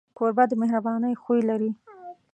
کوربه د مهربانۍ خوی لري.